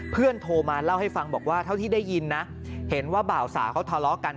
เพื่อนโทรมาเล่าให้ฟังบอกว่าที่เธอได้ยินน่ะเห็นว่าบ่าวสาวเขาทะเลากัน